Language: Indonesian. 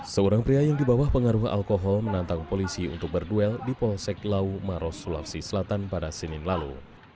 seorang pria yang di bawah pengaruh alkohol menantang polisi untuk berduel di polsek lau maros sulawesi selatan pada senin lalu